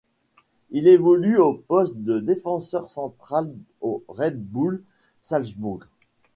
Il évolue au poste de défenseur central au Red Bull Salzbourg.